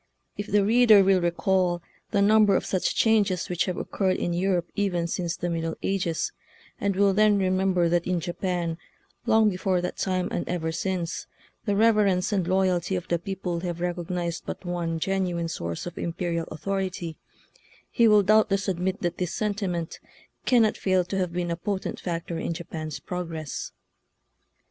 If the reader will recall the number of such changes which have occurred in Europe even since the Middle Ages, and will then remember that in Japan, long before that time and ever since, the reverence and loyalty of the people have recognized but one gen uine source of imperial authority, he will doubtless admit that this sentiment can not fail to have been a potent factor in Japan's progress.